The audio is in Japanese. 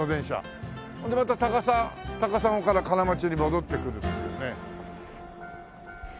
ほんでまた高砂から金町に戻ってくるっていうね。